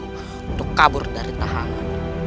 untuk kabur dari tahanan